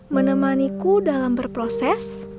menemaniku dalam berproses